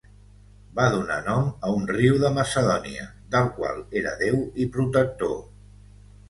Va donar nom a un riu de Macedònia, del qual era déu i protector.